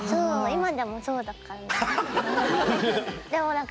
今でもそうだから。